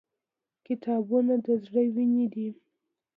• کتابونه د زړه وینې دي.